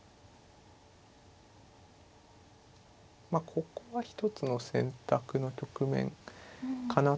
まあここは一つの選択の局面かなと思いますね。